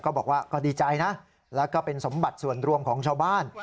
บอกว่าก็ดีใจนะแล้วก็เป็นสมบัติส่วนรวมของชาวบ้าน